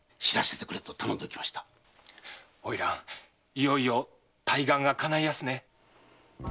いよいよ大願がかないやすね。